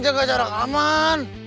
jaga jarak aman